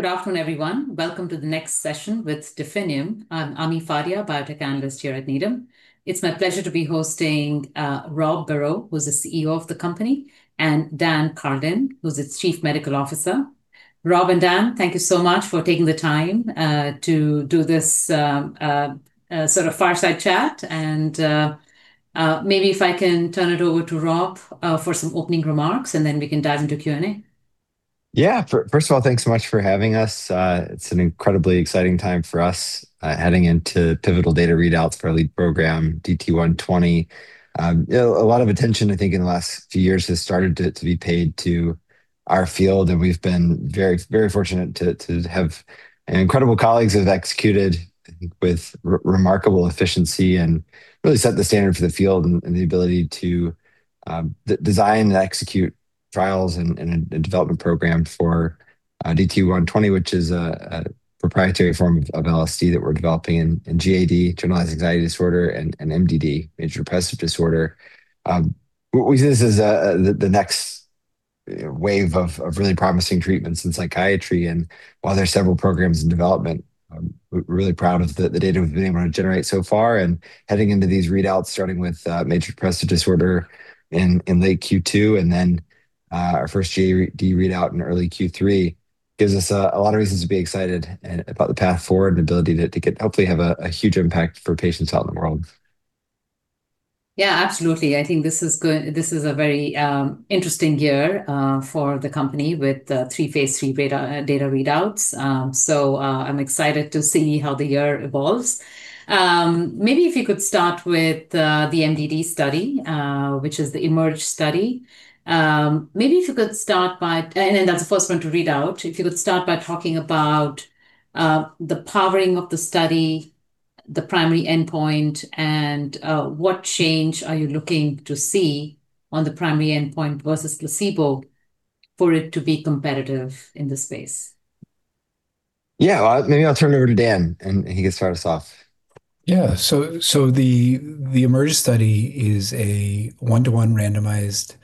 Good afternoon, everyone. Welcome to the next session with Definium. I'm Ami Fadia, biotech analyst here at Needham. It's my pleasure to be hosting Rob Barrow, who's the CEO of the company, and Dan Karlin, who's its Chief Medical Officer. Rob and Dan, thank you so much for taking the time to do this sort of fireside chat. Maybe if I can turn it over to Rob for some opening remarks, and then we can dive into Q&A. Yeah. First of all, thanks so much for having us. It's an incredibly exciting time for us, heading into pivotal data readouts for our lead program, DT120. A lot of attention, I think, in the last few years has started to be paid to our field, and we've been very fortunate to have incredible colleagues who have executed with remarkable efficiency and really set the standard for the field and the ability to design and execute trials and a development program for DT120, which is a proprietary form of LSD that we're developing in GAD, generalized anxiety disorder, and MDD, major depressive disorder. We see this as the next wave of really promising treatments in psychiatry. While there are several programs in development, we're really proud of the data we've been able to generate so far and heading into these readouts, starting with Major Depressive Disorder in late Q2, and then our first GAD readout in early Q3 gives us a lot of reasons to be excited about the path forward and the ability to hopefully have a huge impact for patients out in the world. Yeah, absolutely. I think this is a very interesting year for the company with three phase III data readouts. I'm excited to see how the year evolves. Maybe if you could start with the MDD study, which is the EMERGE study. That's the first one to read out. If you could start by talking about the powering of the study, the primary endpoint, and what change are you looking to see on the primary endpoint versus placebo for it to be competitive in this space? Yeah. Maybe I'll turn it over to Dan, and he can start us off. Yeah. The EMERGE study is a 1-to-1 randomized,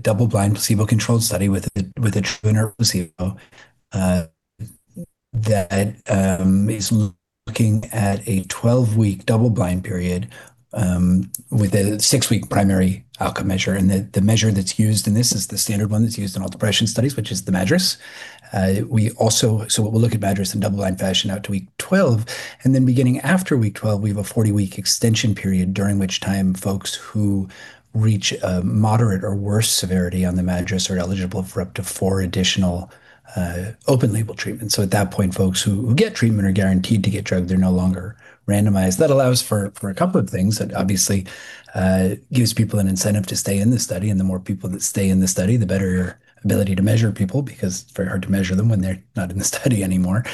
double-blind, placebo-controlled study with a true placebo that is looking at a 12-week double-blind period with a six-week primary outcome measure. The measure that's used in this is the standard one that's used in all depression studies, which is the MADRS. We'll look at MADRS in double-blind fashion out to week 12, and then beginning after week 12, we have a 40-week extension period, during which time folks who reach a moderate or worse severity on the MADRS are eligible for up to four additional open-label treatments. At that point, folks who get treatment are guaranteed to get drug. They're no longer randomized. That allows for a couple of things. That obviously gives people an incentive to stay in the study, and the more people that stay in the study, the better your ability to measure people, because it's very hard to measure them when they're not in the study anymore.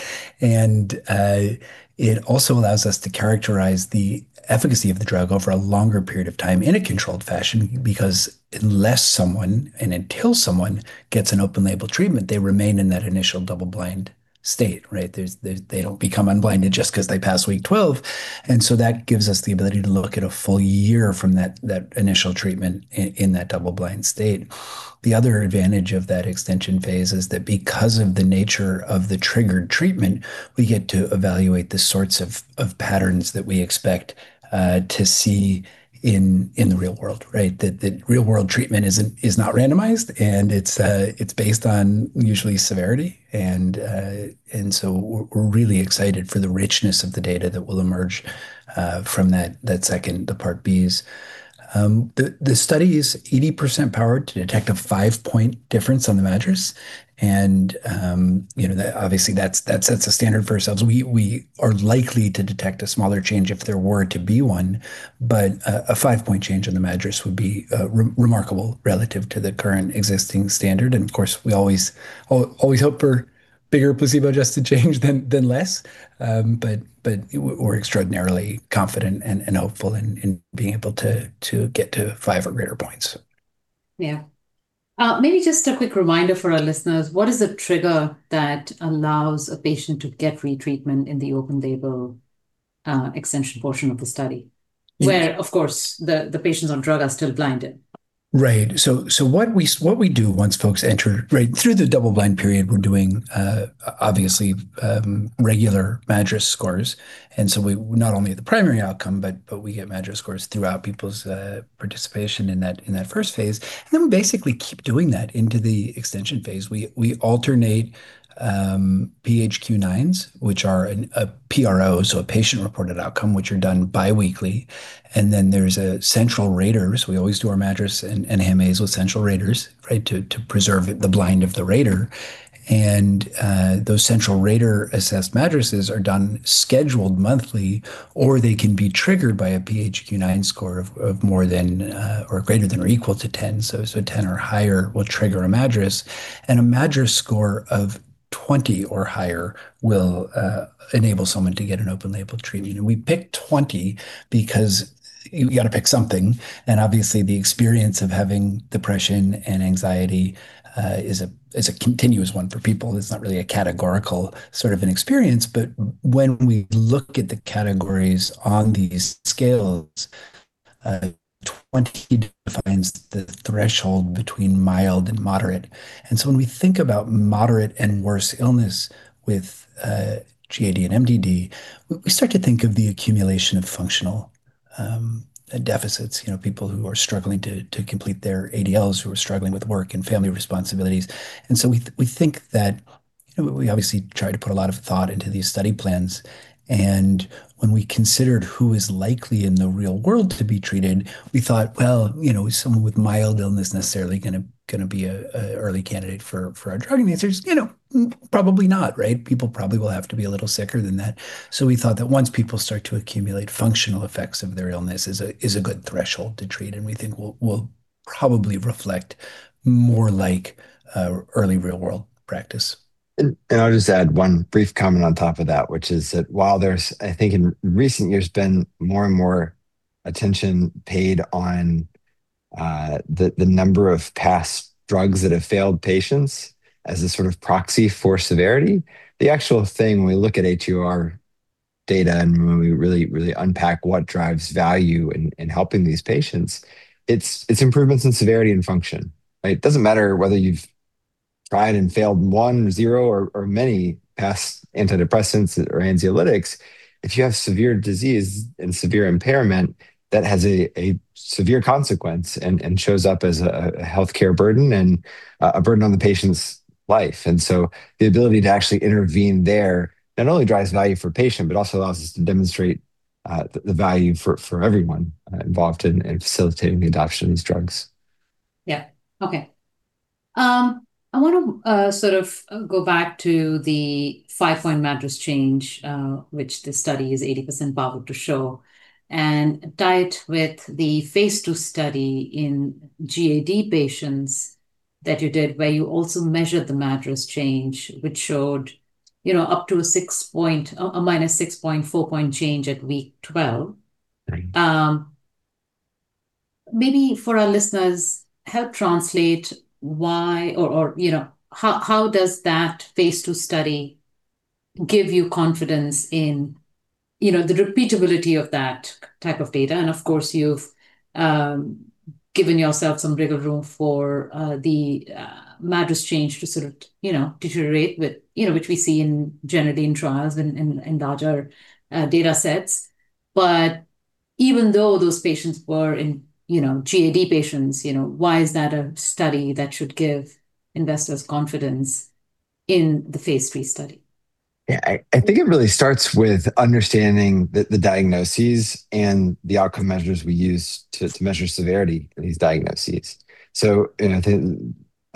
It also allows us to characterize the efficacy of the drug over a longer period of time in a controlled fashion, because unless someone, and until someone gets an open-label treatment, they remain in that initial double-blind state, right? They don't become unblinded just because they pass week 12. That gives us the ability to look at a full year from that initial treatment in that double-blind state. The other advantage of that extension phase is that because of the nature of the triggered treatment, we get to evaluate the sorts of patterns that we expect to see in the real world, right? That real world treatment is not randomized, and it's based on usual severity. We're really excited for the richness of the data that will emerge from that second, the part Bs. The study is 80% powered to detect a 5-point difference on the MADRS, and obviously that sets a standard for ourselves. We are likely to detect a smaller change if there were to be one, but a 5-point change in the MADRS would be remarkable relative to the current existing standard. Of course, we always hope for bigger placebo-adjusted change than less. We're extraordinarily confident and hopeful in being able to get to five or greater points. Yeah. Maybe just a quick reminder for our listeners, what is the trigger that allows a patient to get retreatment in the open-label extension portion of the study? Where, of course, the patients on drug are still blinded. Right. What we do once folks enter, right through the double-blind period, we're doing obviously, regular MADRS scores. We not only have the primary outcome, but we get MADRS scores throughout people's participation in that first phase. We basically keep doing that into the extension phase. We alternate PHQ-9s, which are a PRO, so a patient-reported outcome, which are done biweekly. There's central raters. We always do our MADRS and HAM-As with central raters to preserve the blind of the rater. Those central rater-assessed MADRSs are done scheduled monthly, or they can be triggered by a PHQ-9 score of more than or greater than or equal to 10. 10 or higher will trigger a MADRS. A MADRS score of 20 or higher will enable someone to get an open-label treatment. We picked 20 because you got to pick something. Obviously, the experience of having depression and anxiety is a continuous one for people. It's not really a categorical sort of an experience. When we look at the categories on these scales once he defines the threshold between mild and moderate. When we think about moderate and worse illness with GAD and MDD, we start to think of the accumulation of functional deficits, people who are struggling to complete their ADLs, who are struggling with work and family responsibilities. We obviously try to put a lot of thought into these study plans, and when we considered who is likely in the real world to be treated, we thought, well, is someone with mild illness necessarily going to be an early candidate for our drug? The answer is, probably not, right? People probably will have to be a little sicker than that. We thought that once people start to accumulate functional effects of their illness is a good threshold to treat, and we think will probably reflect more like early real-world practice. I'll just add one brief comment on top of that, which is that while there's, I think in recent years, been more and more attention paid on the number of past drugs that have failed patients as a sort of proxy for severity. The actual thing, when we look at HEOR data and when we really unpack what drives value in helping these patients, it's improvements in severity and function, right? It doesn't matter whether you've tried and failed one, zero, or many past antidepressants or anxiolytics. If you have severe disease and severe impairment, that has a severe consequence and shows up as a healthcare burden and a burden on the patient's life. The ability to actually intervene there not only drives value for patient, but also allows us to demonstrate the value for everyone involved in facilitating the adoption of these drugs. Yeah. Okay. I want to sort of go back to the 5-point MADRS change, which this study is 80% powered to show, and tie it with the phase II study in GAD patients that you did, where you also measured the MADRS change, which showed up to a -6.4-point change at week 12. Maybe for our listeners, help translate why or how does that phase II study give you confidence in the repeatability of that type of data? Of course, you've given yourself some wiggle room for the MADRS change to sort of deteriorate, which we see generally in trials in larger datasets. Even though those patients were GAD patients, why is that a study that should give investors confidence in the phase III study? Yeah. I think it really starts with understanding the diagnoses and the outcome measures we use to measure severity of these diagnoses.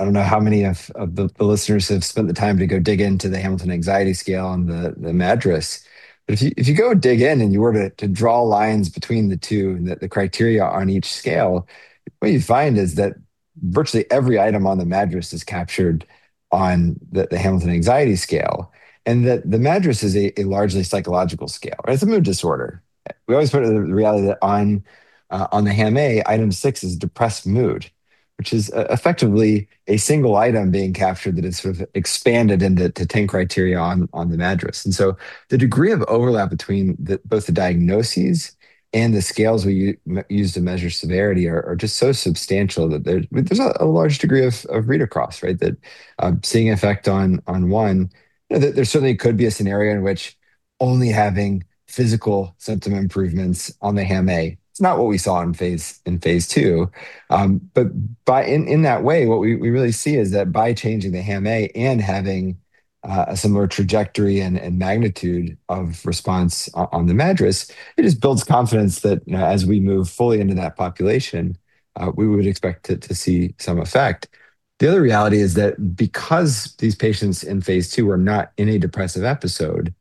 I don't know how many of the listeners have spent the time to go dig into the Hamilton Anxiety Scale and the MADRS. If you go dig in and you were to draw lines between the two, and the criteria on each scale, what you'd find is that virtually every item on the MADRS is captured on the Hamilton Anxiety Scale, and that the MADRS is a largely psychological scale. It's a mood disorder. We always put it into the reality that on the HAM-A, item six is depressed mood, which is effectively a single item being captured that is sort of expanded into 10 criteria on the MADRS. The degree of overlap between both the diagnoses and the scales we use to measure severity are just so substantial that there's a large degree of read-across, right? That seeing an effect on one, there certainly could be a scenario in which only having physical symptom improvements on the HAM-A, it's not what we saw in phase II, but in that way, what we really see is that by changing the HAM-A and having a similar trajectory and magnitude of response on the MADRS, it just builds confidence that as we move fully into that population, we would expect to see some effect. The other reality is that because these patients in phase II were not in a depressive episode,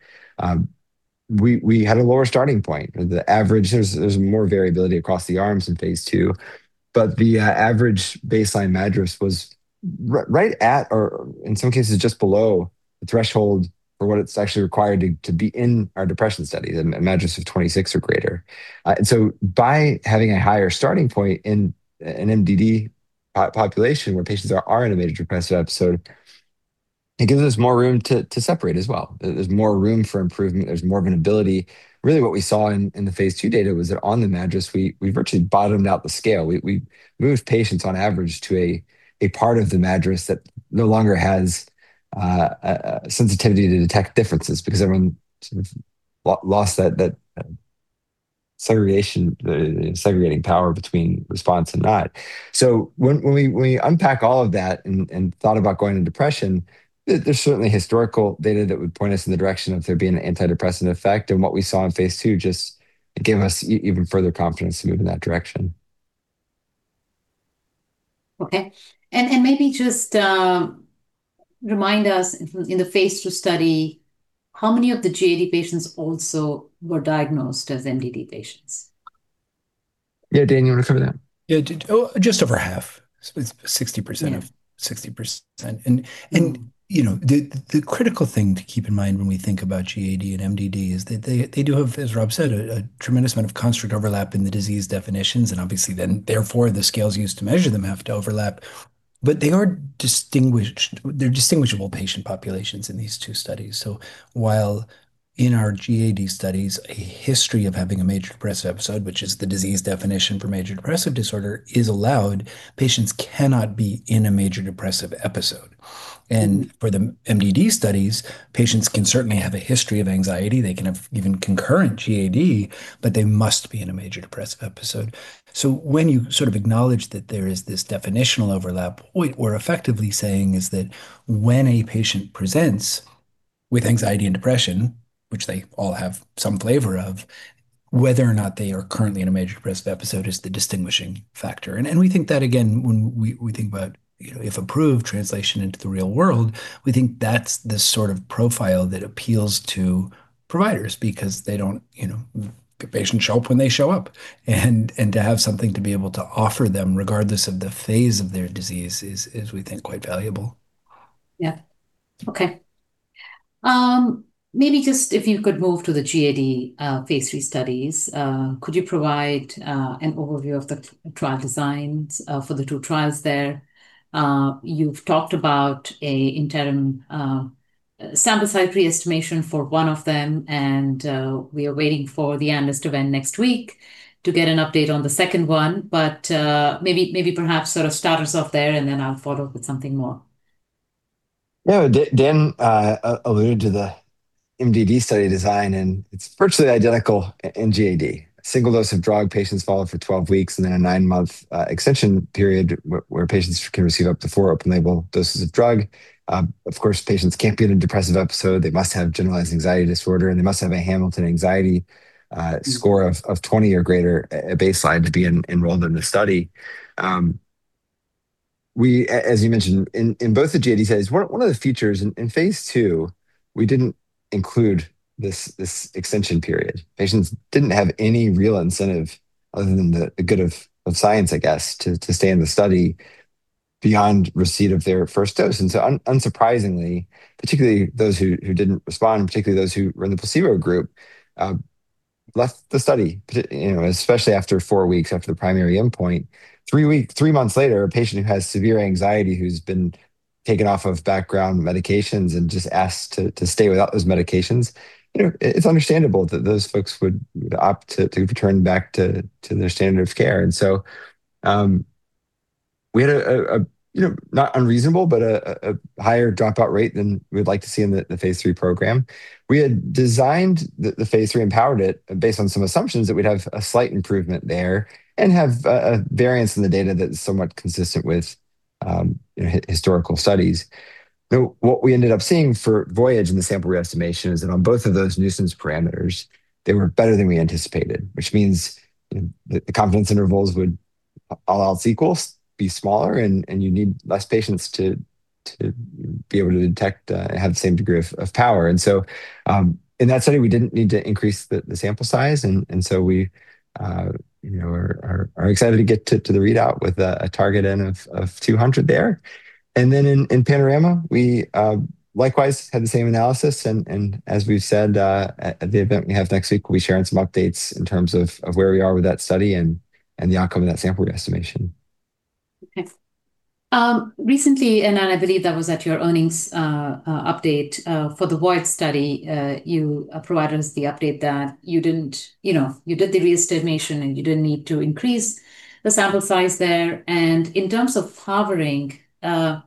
we had a lower starting point. There's more variability across the arms in phase II, but the average baseline MADRS was right at, or in some cases, just below the threshold for what it's actually required to be in our depression study, the MADRS of 26 or greater. By having a higher starting point in an MDD population where patients are in a major depressive episode, it gives us more room to separate as well. There's more room for improvement. There's more of an ability. Really what we saw in the phase II data was that on the MADRS, we virtually bottomed out the scale. We moved patients on average to a part of the MADRS that no longer has sensitivity to detect differences because everyone sort of lost that segregating power between response and not. When we unpack all of that and thought about going into depression, there's certainly historical data that would point us in the direction of there being an antidepressant effect, and what we saw in phase II just gave us even further confidence to move in that direction. Okay. Maybe just remind us in the phase II study, how many of the GAD patients also were diagnosed as MDD patients? Yeah. Dan, you want to cover that? Yeah. Just over half, 60%. The critical thing to keep in mind when we think about GAD and MDD is that they do have, as Rob said, a tremendous amount of construct overlap in the disease definitions, and obviously, then therefore, the scales used to measure them have to overlap. They're distinguishable patient populations in these two studies. While in our GAD studies, a history of having a major depressive episode, which is the disease definition for Major Depressive Disorder, is allowed, patients cannot be in a major depressive episode. For the MDD studies, patients can certainly have a history of anxiety. They can have even concurrent GAD, but they must be in a major depressive episode. When you sort of acknowledge that there is this definitional overlap, what we're effectively saying is that when a patient presents with anxiety and depression, which they all have some flavor of, whether or not they are currently in a major depressive episode is the distinguishing factor. We think that, again, when we think about, if approved, translation into the real world, we think that's the sort of profile that appeals to providers because patients show up when they show up. To have something to be able to offer them, regardless of the phase of their disease is, we think, quite valuable. Yeah. Okay. Maybe just if you could move to the GAD phase III studies. Could you provide an overview of the trial designs for the two trials there? You've talked about an interim sample size re-estimation for one of them, and we are waiting for the analyst event next week to get an update on the second one. Maybe perhaps sort of start us off there, and then I'll follow up with something more. Yeah. Dan alluded to the MDD study design, and it's virtually identical in GAD. A single dose of drug, patients followed for 12 weeks, and then a 9-month extension period where patients can receive up to four open-label doses of drug. Of course, patients can't be in a depressive episode. They must have generalized anxiety disorder, and they must have a Hamilton Anxiety score of 20 or greater at baseline to be enrolled in the study. As you mentioned, in both the GAD studies, one of the features in phase II, we didn't include this extension period. Patients didn't have any real incentive other than the good of science, I guess, to stay in the study beyond receipt of their first dose. Unsurprisingly, particularly those who didn't respond, particularly those who were in the placebo group, left the study, especially after four weeks after the primary endpoint. Three months later, a patient who has severe anxiety who's been taken off of background medications and just asked to stay without those medications, it's understandable that those folks would opt to return back to their standard of care. We had a not unreasonable, but a higher dropout rate than we'd like to see in the phase III program. We had designed the phase III and powered it based on some assumptions that we'd have a slight improvement there and have a variance in the data that's somewhat consistent with historical studies. What we ended up seeing for VOYAGE in the sample re-estimation is that on both of those nuisance parameters, they were better than we anticipated, which means the confidence intervals would, all else equals, be smaller and you'd need less patients to be able to detect and have the same degree of power. In that study, we didn't need to increase the sample size, and so we are excited to get to the readout with a target N of 200 there. In PANORAMA, we likewise had the same analysis. As we've said, at the event we have next week, we'll be sharing some updates in terms of where we are with that study and the outcome of that sample re-estimation. Thanks. Recently, and I believe that was at your earnings update, for the VOYAGE study, you provided us the update that you did the re-estimation, and you didn't need to increase the sample size there. In terms of powering,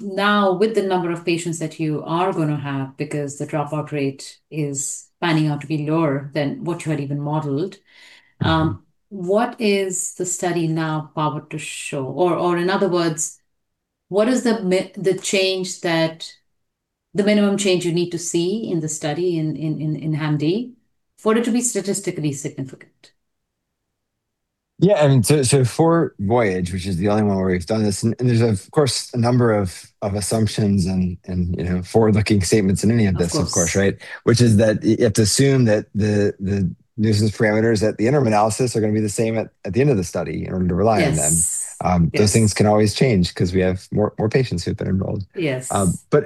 now with the number of patients that you are going to have because the dropout rate is panning out to be lower than what you had even modeled. What is the study now powered to show? In other words, what is the minimum change you need to see in the study in HAM-D for it to be statistically significant? Yeah. I mean, for VOYAGE, which is the only one where we've done this, and there's of course a number of assumptions and forward-looking statements in any of this. Of course. Of course, right? Which is that you have to assume that the nuisance parameters at the interim analysis are going to be the same at the end of the study in order to rely on them. Yes. Those things can always change because we have more patients who've been enrolled. Yes.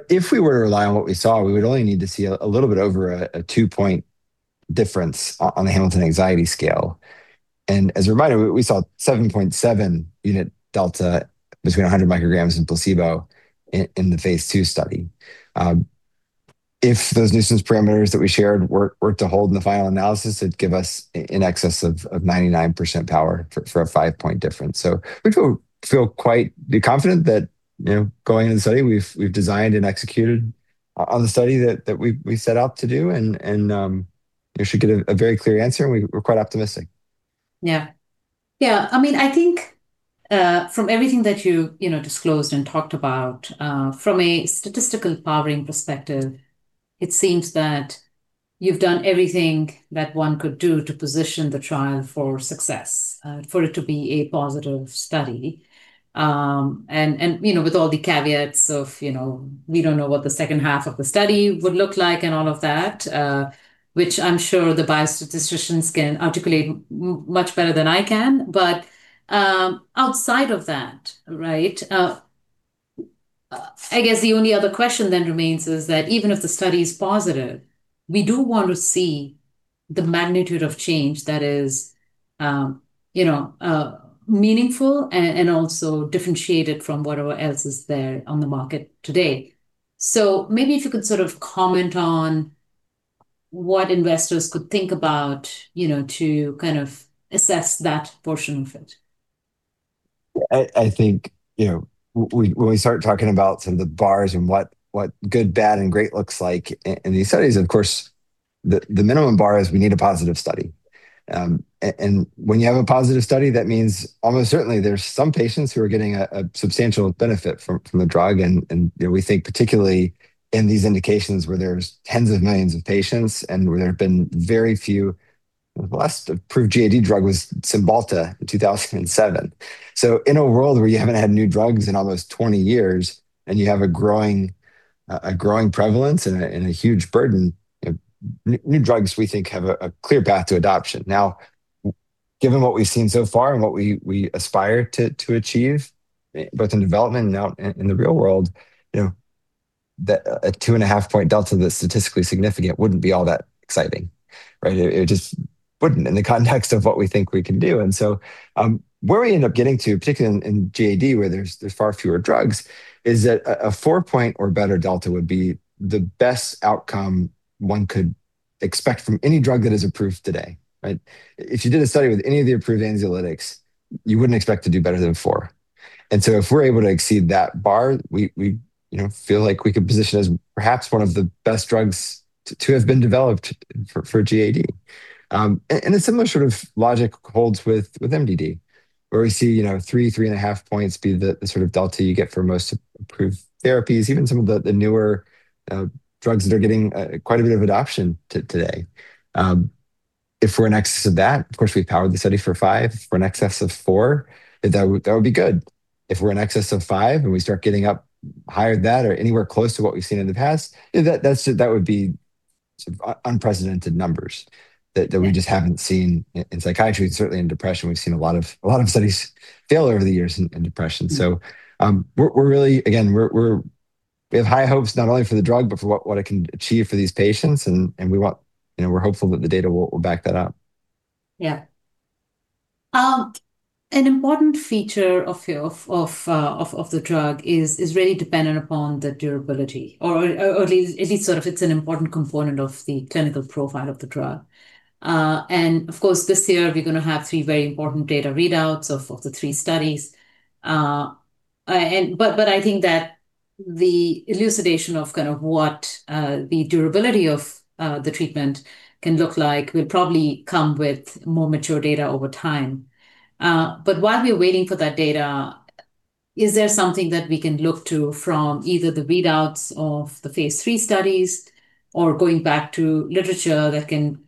If we were to rely on what we saw, we would only need to see a little bit over a 2-point difference on the Hamilton Anxiety Scale. As a reminder, we saw 7.7 unit delta between 100 micrograms in placebo in the phase II study. If those nuisance parameters that we shared were to hold in the final analysis, it'd give us in excess of 99% power for a 5-point difference. We feel quite confident that, going into the study, we've designed and executed on the study that we set out to do, and we should get a very clear answer, and we're quite optimistic. Yeah. I mean, I think from everything that you disclosed and talked about, from a statistical powering perspective, it seems that you've done everything that one could do to position the trial for success, for it to be a positive study. With all the caveats of we don't know what the second half of the study would look like and all of that, which I'm sure the biostatisticians can articulate much better than I can. Outside of that, right, I guess the only other question then remains is that even if the study is positive, we do want to see the magnitude of change that is meaningful and also differentiated from whatever else is there on the market today. Maybe if you could sort of comment on what investors could think about, to kind of assess that portion of it. I think when we start talking about some of the bars and what good, bad, and great looks like in these studies, of course, the minimum bar is we need a positive study. When you have a positive study, that means almost certainly there are some patients who are getting a substantial benefit from the drug. We think particularly in these indications where there's tens of millions of patients and where there have been very few, the last approved GAD drug was Cymbalta in 2007. In a world where you haven't had new drugs in almost 20 years, and you have a growing prevalence and a huge burden, new drugs, we think, have a clear path to adoption. Now, given what we've seen so far and what we aspire to achieve, both in development and out in the real world, a 2.5-point delta that's statistically significant wouldn't be all that exciting, right? It just wouldn't in the context of what we think we can do. Where we end up getting to, particularly in GAD, where there's far fewer drugs, is that a four-point or better delta would be the best outcome one could expect from any drug that is approved today, right? If you did a study with any of the approved anxiolytics, you wouldn't expect to do better than four. If we're able to exceed that bar, we feel like we could position as perhaps one of the best drugs to have been developed for GAD. A similar sort of logic holds with MDD, where we see 3.5 points be the sort of delta you get for most approved therapies, even some of the newer drugs that are getting quite a bit of adoption today. If we're in excess of that, of course, we powered the study for five. If we're in excess of four, that would be good. If we're in excess of five and we start getting up higher than that or anywhere close to what we've seen in the past, that would be unprecedented numbers that we just haven't seen in psychiatry and certainly in depression. We've seen a lot of studies fail over the years in depression. Again, we have high hopes, not only for the drug but for what it can achieve for these patients, and we're hopeful that the data will back that up. Yeah. An important feature of the drug is really dependent upon the durability, or at least sort of it's an important component of the clinical profile of the drug. Of course, this year, we're going to have three very important data readouts of the three studies. I think that the elucidation of kind of what the durability of the treatment can look like will probably come with more mature data over time. While we are waiting for that data, is there something that we can look to from either the readouts of the phase III studies or going back to literature that can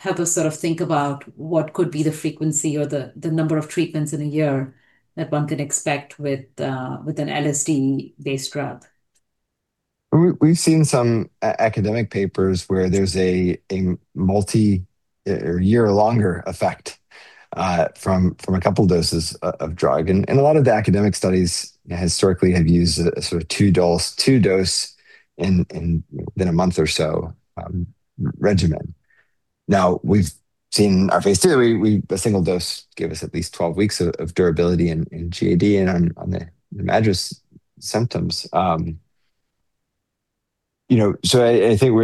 help us sort of think about what could be the frequency or the number of treatments in a year that one can expect with an LSD-based drug? We've seen some academic papers where there's a multi-year longer effect from a couple of doses of drug. A lot of the academic studies historically have used a sort of two dose in a month or so regimen. Now, we've seen our phase II, a single dose give us at least 12 weeks of durability in GAD and on the MADRS symptoms. I think you're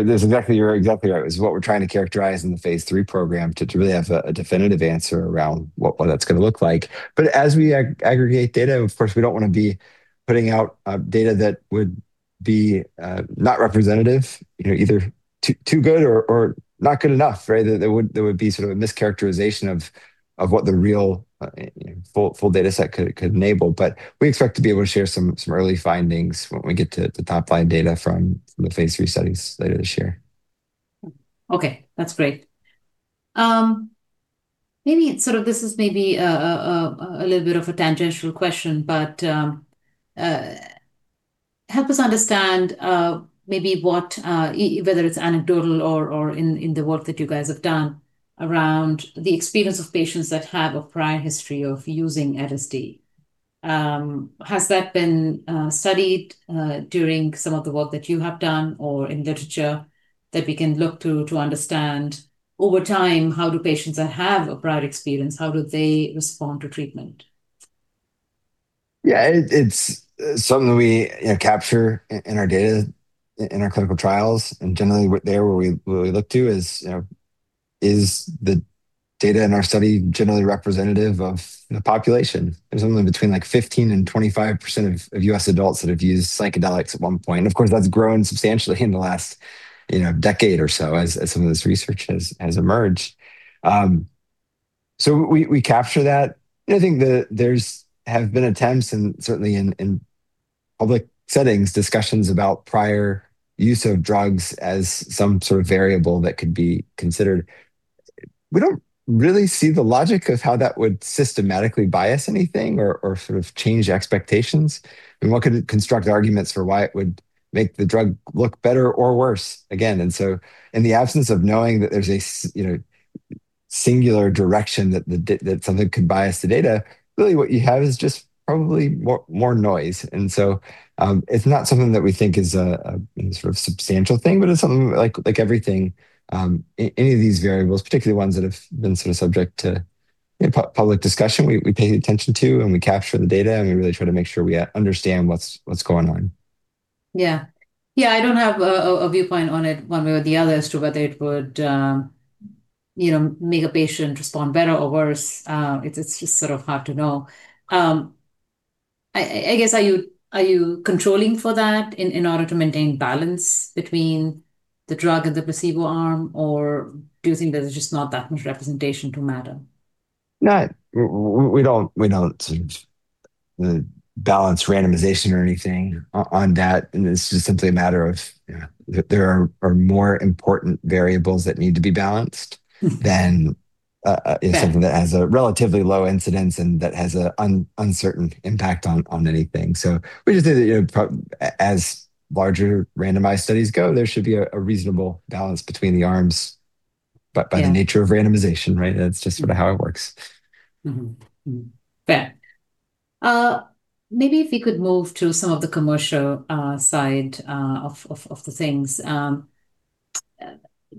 exactly right. It's what we're trying to characterize in the phase III program to really have a definitive answer around what that's going to look like. As we aggregate data, of course, we don't want to be putting out data that would be not representative, either too good or not good enough, right? That would be sort of a mischaracterization of what the real full data set could enable. We expect to be able to share some early findings when we get to the top-line data from the phase III studies later this year. Okay, that's great. This is maybe a little bit of a tangential question, but help us understand maybe whether it's anecdotal or in the work that you guys have done around the experience of patients that have a prior history of using LSD. Has that been studied during some of the work that you have done or in literature that we can look to to understand, over time, how do patients that have a prior experience, how do they respond to treatment? Yeah. It's something that we capture in our data in our clinical trials, and generally, what we look to is the data in our study generally representative of the population. There's only between, like, 15%-25% of U.S. adults that have used psychedelics at one point. Of course, that's grown substantially in the last decade or so as some of this research has emerged. We capture that. I think there have been attempts and certainly in public settings, discussions about prior use of drugs as some sort of variable that could be considered. We don't really see the logic of how that would systematically bias anything or sort of change expectations. I mean, one could construct arguments for why it would make the drug look better or worse again. In the absence of knowing that there's a singular direction that something could bias the data, really what you have is just probably more noise. It's not something that we think is a sort of substantial thing, but it's something, like everything, any of these variables, particularly ones that have been sort of subject to public discussion, we pay attention to, and we capture the data, and we really try to make sure we understand what's going on. Yeah, I don't have a viewpoint on it one way or the other as to whether it would make a patient respond better or worse. It's just sort of hard to know. I guess, are you controlling for that in order to maintain balance between the drug and the placebo arm, or do you think there's just not that much representation to matter? No. We don't balance randomization or anything on that. It's just simply a matter of there are more important variables that need to be balanced than something that has a relatively low incidence and that has an uncertain impact on anything. We just think that as larger randomized studies go, there should be a reasonable balance between the arms by the nature of randomization, right? That's just sort of how it works. Fair. Maybe if we could move to some of the commercial side of the things.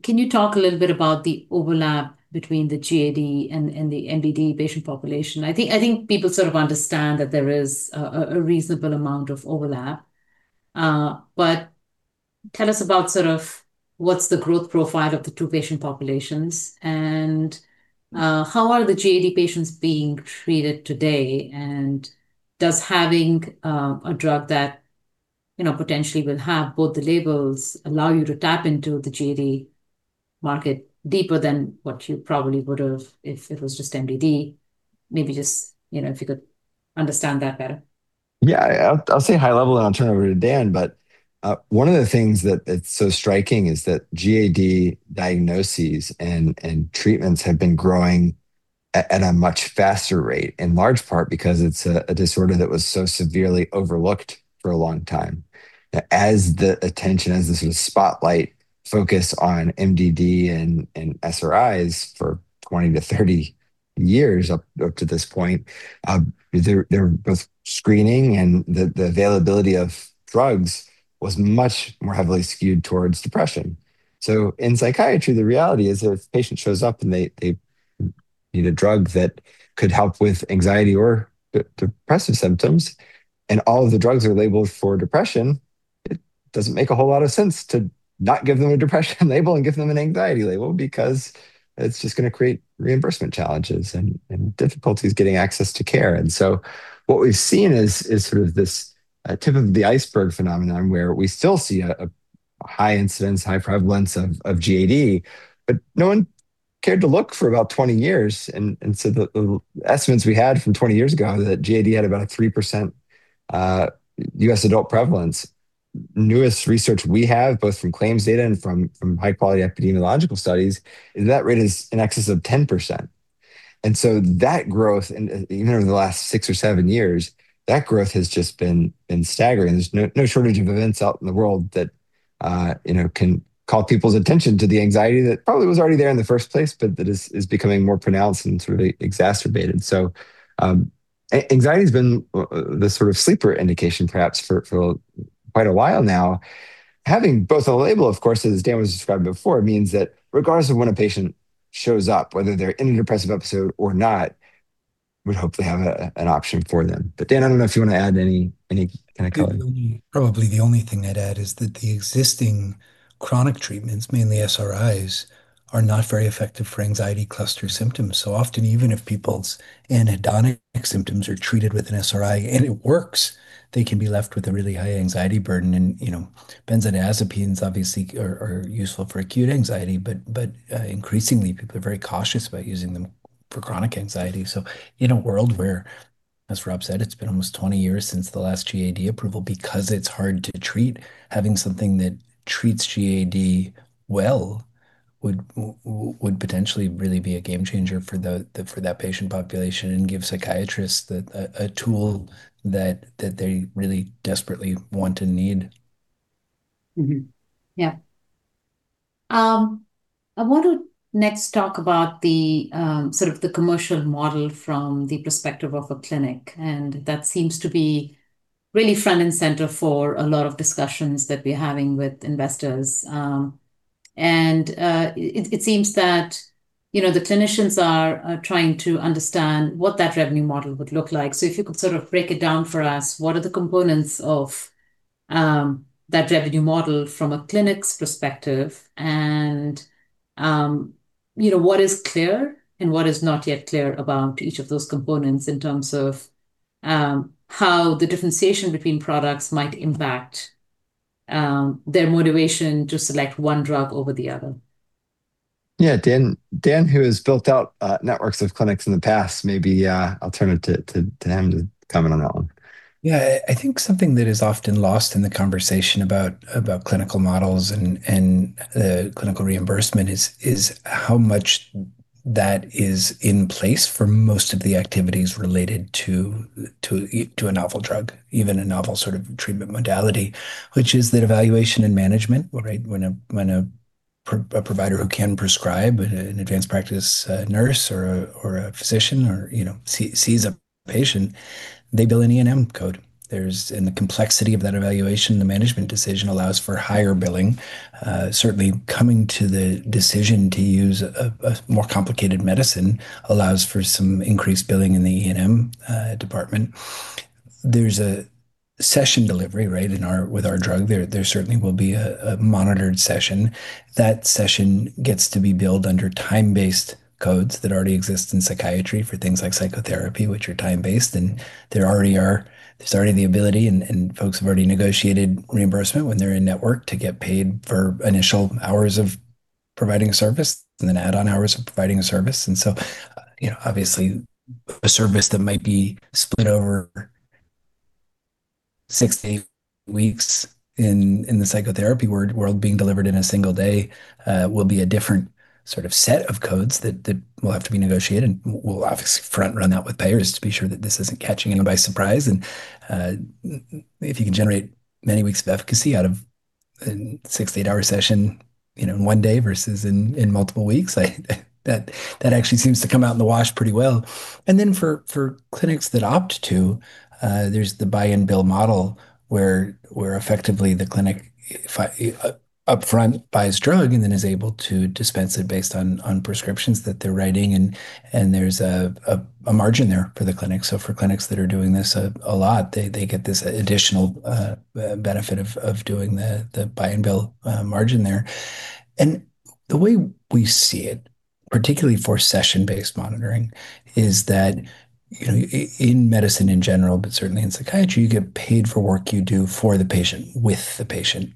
Can you talk a little bit about the overlap between the GAD and the MDD patient population? I think people sort of understand that there is a reasonable amount of overlap. But tell us about sort of what's the growth profile of the two patient populations, and how are the GAD patients being treated today, and does having a drug that potentially will have both the labels allow you to tap into the GAD market deeper than what you probably would've if it was just MDD? Maybe just if you could understand that better. Yeah. I'll say high level, and I'll turn it over to Dan. One of the things that's so striking is that GAD diagnoses and treatments have been growing at a much faster rate, in large part because it's a disorder that was so severely overlooked for a long time. As the attention, the sort of spotlight focused on MDD and SRIs for 20-30 years up to this point, both screening and the availability of drugs was much more heavily skewed towards depression. In psychiatry, the reality is, if a patient shows up and they need a drug that could help with anxiety or depressive symptoms, and all of the drugs are labeled for depression, it doesn't make a whole lot of sense to not give them a depression label and give them an anxiety label, because it's just going to create reimbursement challenges and difficulties getting access to care. What we've seen is sort of this tip of the iceberg phenomenon, where we still see a high incidence, high prevalence of GAD, but no one cared to look for about 20 years. The estimates we had from 20 years ago that GAD had about a 3% U.S. adult prevalence. Newest research we have, both from claims data and from high-quality epidemiological studies, is that rate is in excess of 10%. That growth, even over the last six or seven years, that growth has just been staggering. There's no shortage of events out in the world that can call people's attention to the anxiety that probably was already there in the first place, but that is becoming more pronounced and sort of exacerbated. Anxiety's been the sort of sleeper indication, perhaps, for quite a while now. Having both a label, of course, as Dan was describing before, means that regardless of when a patient shows up, whether they're in a depressive episode or not, we'd hope to have an option for them. Dan, I don't know if you want to add any kind of color. Probably the only thing I'd add is that the existing chronic treatments, mainly SRIs, are not very effective for anxiety cluster symptoms. Often, even if people's anhedonic symptoms are treated with an SRI, and it works, they can be left with a really high anxiety burden. Benzodiazepines, obviously, are useful for acute anxiety, but increasingly, people are very cautious about using them for chronic anxiety. In a world where, as Rob said, it's been almost 20 years since the last GAD approval because it's hard to treat, having something that treats GAD well would potentially really be a game changer for that patient population and give psychiatrists a tool that they really desperately want and need. I want to next talk about the commercial model from the perspective of a clinic, and that seems to be really front and center for a lot of discussions that we're having with investors. It seems that the clinicians are trying to understand what that revenue model would look like. If you could sort of break it down for us, what are the components of that revenue model from a clinic's perspective? What is clear, and what is not yet clear about each of those components in terms of how the differentiation between products might impact their motivation to select one drug over the other? Yeah. Dan, who has built out networks of clinics in the past, maybe I'll turn it to him to comment on that one. Yeah. I think something that is often lost in the conversation about clinical models and the clinical reimbursement is how much that is in place for most of the activities related to a novel drug, even a novel sort of treatment modality, which is that evaluation and management, right? When a provider who can prescribe, an advanced practice nurse or a physician, sees a patient, they bill an E&M code. The complexity of that evaluation and management decision allows for higher billing. Certainly, coming to the decision to use a more complicated medicine allows for some increased billing in the E&M department. There's a session delivery, right, with our drug. There certainly will be a monitored session. That session gets to be billed under time-based codes that already exist in psychiatry for things like psychotherapy, which are time-based. There's already the ability, and folks have already negotiated reimbursement when they're in network to get paid for initial hours of providing a service and then add on hours of providing a service. Obviously a service that might be split over 6-8 weeks in the psychotherapy world being delivered in a single day will be a different set of codes that will have to be negotiated. We'll obviously front-run that with payers to be sure that this isn't catching anybody by surprise. If you can generate many weeks of efficacy out of a 6-8-hour session in one day versus in multiple weeks, that actually seems to come out in the wash pretty well. Then for clinics that opt to, there's the buy and bill model where effectively the clinic upfront buys drug and then is able to dispense it based on prescriptions that they're writing and there's a margin there for the clinic. For clinics that are doing this a lot, they get this additional benefit of doing the buy and bill margin there. The way we see it, particularly for session-based monitoring, is that in medicine in general, but certainly in psychiatry, you get paid for work you do for the patient, with the patient.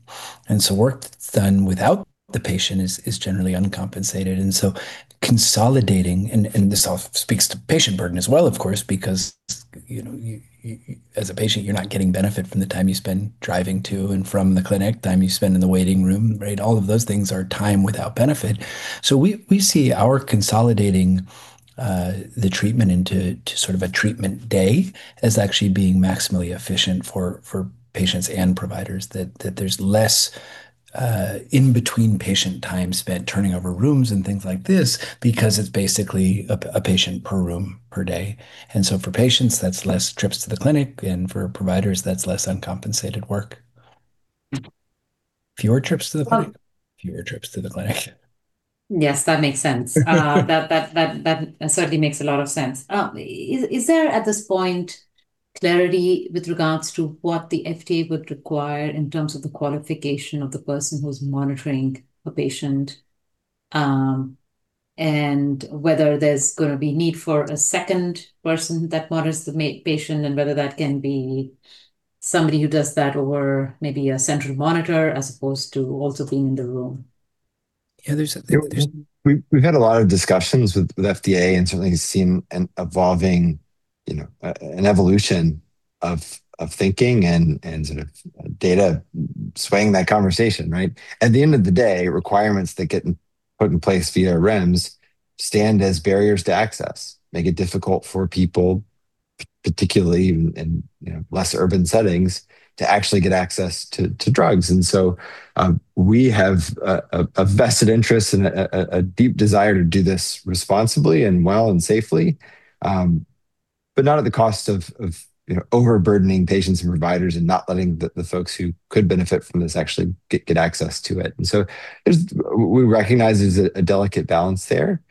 Work that's done without the patient is generally uncompensated. Consolidating, and this all speaks to patient burden as well, of course, because as a patient, you're not getting benefit from the time you spend driving to and from the clinic, time you spend in the waiting room, right? All of those things are time without benefit. We see our consolidating the treatment into a treatment day as actually being maximally efficient for patients and providers. That there's less in-between patient time spent turning over rooms and things like this because it's basically a patient per room per day. For patients, that's less trips to the clinic, and for providers, that's less uncompensated work. Fewer trips to the clinic. Yes, that makes sense. That certainly makes a lot of sense. Is there at this point clarity with regards to what the FDA would require in terms of the qualification of the person who's monitoring a patient? And whether there's going to be need for a second person that monitors the patient, and whether that can be somebody who does that over maybe a central monitor as opposed to also being in the room? Yeah. We've had a lot of discussions with FDA and certainly have seen an evolution of thinking and data swaying that conversation, right? At the end of the day, requirements that get put in place via REMS stand as barriers to access, make it difficult for people, particularly in less urban settings, to actually get access to drugs. We have a vested interest and a deep desire to do this responsibly and well and safely, but not at the cost of overburdening patients and providers and not letting the folks who could benefit from this actually get access to it. We recognize there's a delicate balance there.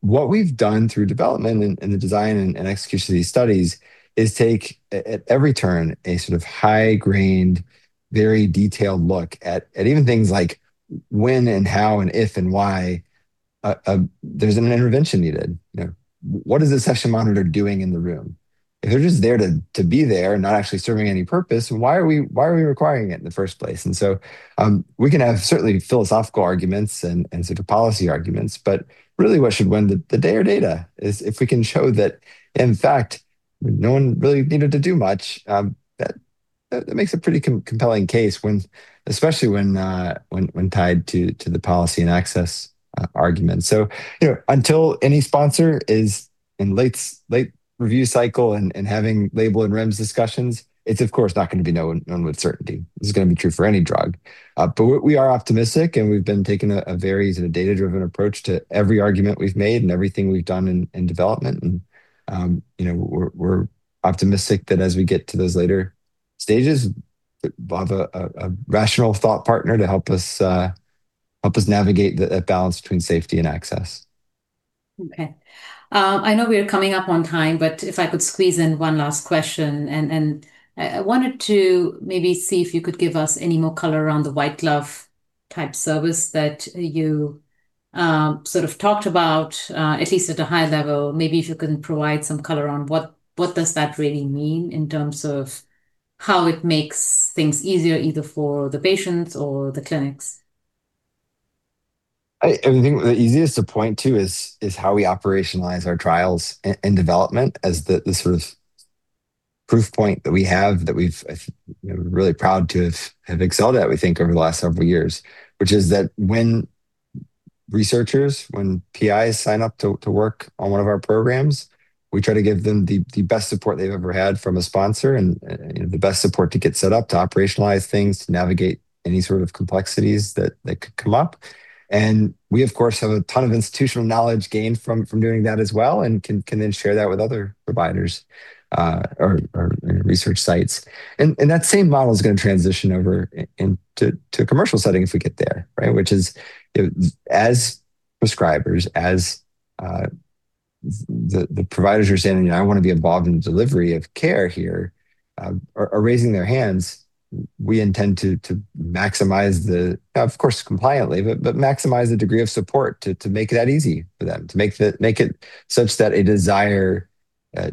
What we've done through development and the design and execution of these studies is take, at every turn, a sort of high-grained, very detailed look at even things like when and how and if and why there's an intervention needed. What is the session monitor doing in the room? If they're just there to be there and not actually serving any purpose, why are we requiring it in the first place? We can have certainly philosophical arguments and sort of policy arguments, but really what should win the day are data. If we can show that, in fact, no one really needed to do much, that makes a pretty compelling case, especially when tied to the policy and access argument. Until any sponsor is in late review cycle and having label and REMS discussions, it's of course not going to be known with certainty. This is going to be true for any drug. We are optimistic, and we've been taking a very sort of data-driven approach to every argument we've made and everything we've done in development. We're optimistic that as we get to those later stages, we'll have a rational thought partner to help us navigate that balance between safety and access. Okay. I know we are coming up on time, but if I could squeeze in one last question. I wanted to maybe see if you could give us any more color around the white glove type service that you sort of talked about, at least at a high level. Maybe if you can provide some color on what does that really mean in terms of how it makes things easier either for the patients or the clinics. I think the easiest to point to is how we operationalize our trials and development as the sort of proof point that we have that we're really proud to have excelled at, we think, over the last several years. Which is that when PIs sign up to work on one of our programs, we try to give them the best support they've ever had from a sponsor and the best support to get set up, to operationalize things, to navigate any sort of complexities that could come up. We of course have a ton of institutional knowledge gained from doing that as well, and can then share that with other providers or research sites. That same model is going to transition over into a commercial setting if we get there, right? Which is as prescribers, as the providers are saying, "I want to be involved in the delivery of care here," are raising their hands, we intend to maximize, of course, compliantly, the degree of support to make that easy for them, to make it such that a desire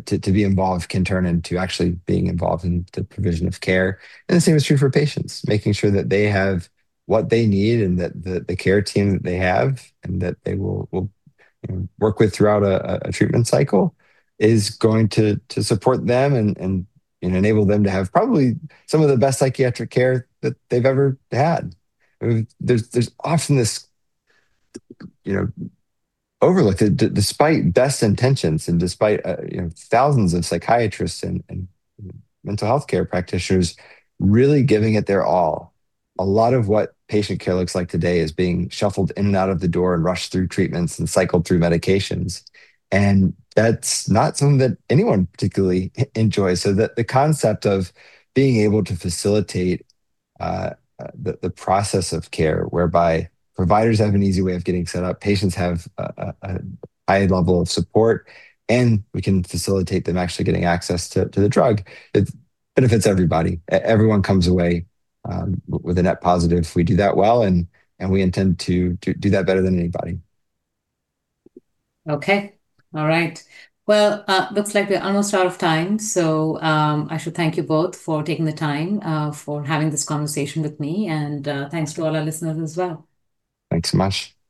to be involved can turn into actually being involved in the provision of care. The same is true for patients, making sure that they have what they need and that the care team that they have and that they will work with throughout a treatment cycle is going to support them and enable them to have probably some of the best psychiatric care that they've ever had. There's often this overlook, despite best intentions and despite thousands of psychiatrists and mental health care practitioners really giving it their all, a lot of what patient care looks like today is being shuffled in and out of the door and rushed through treatments and cycled through medications. That's not something that anyone particularly enjoys. The concept of being able to facilitate the process of care whereby providers have an easy way of getting set up, patients have a high level of support, and we can facilitate them actually getting access to the drug. It benefits everybody. Everyone comes away with a net positive if we do that well, and we intend to do that better than anybody. Okay. All right. Well, looks like we are almost out of time. I should thank you both for taking the time for having this conversation with me. Thanks to all our listeners as well. Thanks so much. Pleasure.